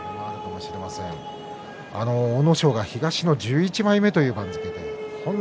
阿武咲が東の１１枚目という番付です。